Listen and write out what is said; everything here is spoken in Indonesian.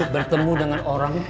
bertemu dengan orang